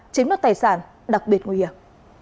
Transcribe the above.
chiếm đoạt tài sản đặc biệt nguy hiểm